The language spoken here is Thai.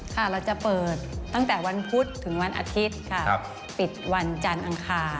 ค่ะเราจะเปิดตั้งแต่วันพุธถึงวันอาทิตย์ค่ะปิดวันจันทร์อังคาร